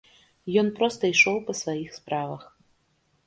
Ён проста ішоў па сваіх справах.